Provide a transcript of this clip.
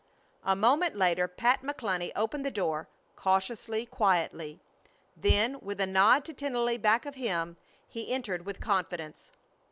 A moment later Pat McCluny opened the door, cautiously, quietly; then, with a nod to Tennelly back of him, he entered with confidence.